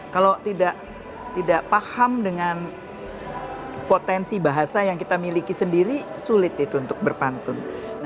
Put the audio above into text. kalau tidak paham dengan potensi bahasa yang kita miliki sendiri sulit itu untuk berpantun